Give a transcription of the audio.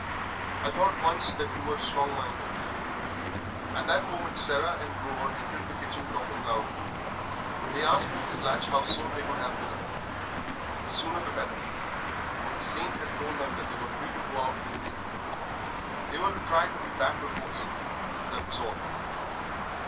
I thought once that you were strong minded " At that moment Sarah and Grover entered the kitchen talking loudly. They asked Mrs. Latch how soon they could have dinner the sooner the better, for the Saint had told them that they were free to go out for the day. They were to try to be back before eight, that was all.